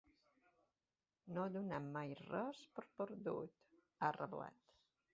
“No donem mai res per perdut”, ha reblat.